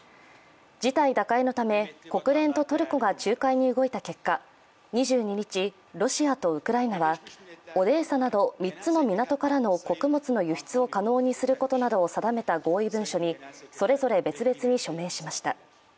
事態打開のため国連とトルコが仲介に動いた結果、２２日、ロシアとウクライナはオデーサなど３つの港からの穀物の輸出を可能にすることなどを定めた合意文書にそれぞれ別々に署名しました。